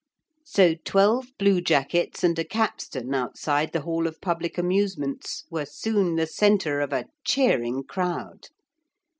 So twelve bluejackets and a capstan outside the Hall of Public Amusements were soon the centre of a cheering crowd.